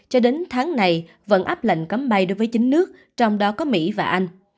cho đến tháng này vẫn áp lệnh cấm bay đối với chín nước trong đó có mỹ và anh